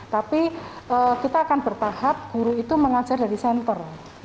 tapi kita akan bertahap guru itu mengajar dari center